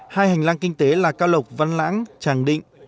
hai hành lang kinh tế là cao lộc văn lãng tràng định